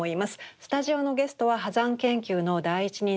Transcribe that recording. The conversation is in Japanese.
スタジオのゲストは波山研究の第一人者